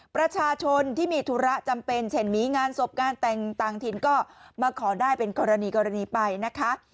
ประชาชนที่มีธุระจำเป็นเช่นมีงานศพงานแต่งต่างถิ่นก็มาขอได้เป็นกรณีกรณีไปนะคะ